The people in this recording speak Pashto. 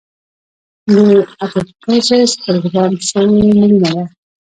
د اپوپټوسس پروګرام شوې مړینه ده.